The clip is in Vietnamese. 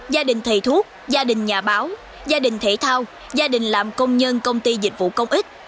gia đình thầy thuốc gia đình nhà báo gia đình thể thao gia đình làm công nhân công ty dịch vụ công ích